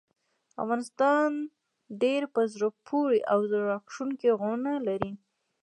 افغانستان ډیر په زړه پورې او زړه راښکونکي غرونه لري.